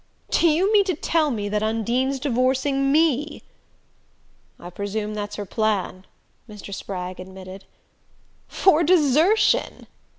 "Do you mean to tell me that Undine's divorcing ME?" "I presume that's her plan," Mr. Spragg admitted. "For desertion?"